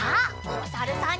おさるさん。